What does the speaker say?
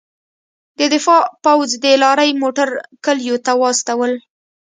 د دفاع پوځ د لارۍ موټر کلیو ته واستول.